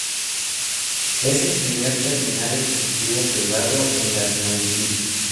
Es el primer terminal ejecutivo privado en las Maldivas.